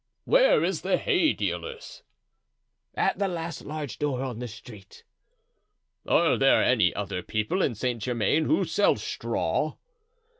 "Where is the hay dealer's?" "At the last large door in the street." "Are there any other people in Saint Germain who sell straw?"